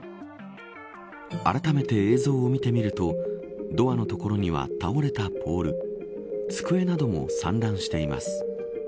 あらためて映像を見てみるとドアの所には倒れたポール机なども散乱しています。